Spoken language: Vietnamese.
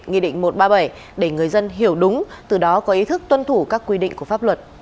nghị định một trăm ba mươi bảy để người dân hiểu đúng từ đó có ý thức tuân thủ các quy định của pháp luật